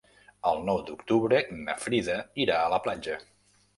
El nou d'octubre na Frida irà a la platja.